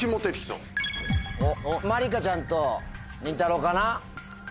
まりかちゃんとりんたろうかな。